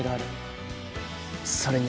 それに。